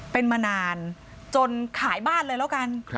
เป็นมานานจนขายบ้านเลยแล้วกัน